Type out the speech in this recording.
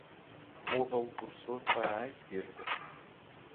Mova o cursor para a esquerda